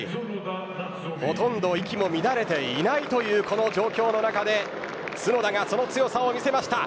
ほとんど息も乱れていないというこの状況の中で角田がその強さを見せました。